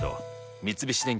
三菱電機